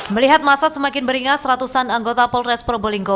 melihat massa semakin beringat ratusan anggota polres pro bolinggo